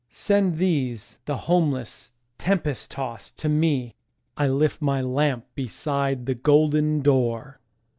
Send these, the homeless, tempest tost to me,I lift my lamp beside the golden door!"